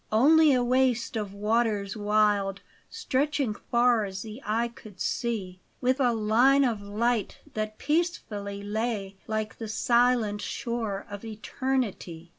Only a waste of waters wild Stretching far as the eye could see ; With a line of light that peacefully lay Like the silent shore of Eternity.